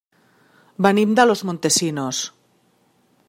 Venim de Los Montesinos.